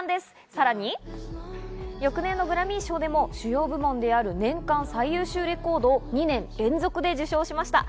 さらに翌年のグラミー賞でも主要部門である年間最優秀レコードを２年連続で受賞しました。